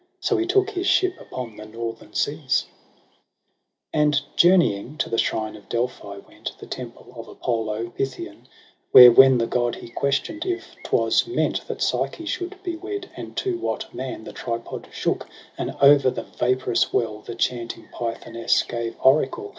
— So he took his ship upon the northern seas, 10 And journeying to the shrine of Delphi went, The temple of Apollo Pythian, Where when the god he questioned if 'twas meant That Psyche should be wed, and to what man, The tripod shook, and o'er the vaporous well The chanting Pythoness gave oracle.